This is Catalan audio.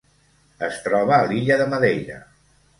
Es troba a l'illa de Madeira.